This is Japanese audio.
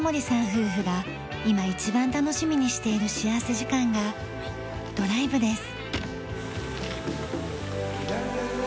夫婦が今一番楽しみにしている幸福時間がドライブです。